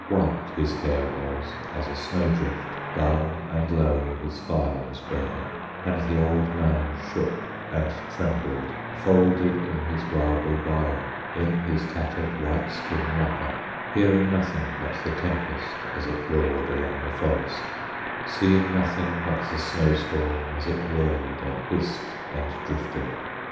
White his hair was as a snow drift; Dull and low his fire was burning, And the old man shook and trembled, Folded in his Waubewyon, In his tattered white skin wrapper, Hearing nothing but the tempest As it roared along the forest, Seeing nothing but the snow storm, As it whirled and hissed and drifted.